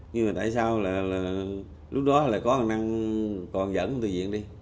nhưng mà tại sao lúc đó là có thằng năng còn dẫn tư diện đi